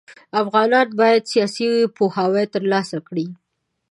افغانان بايد سياسي پوهاوی ترلاسه کړي.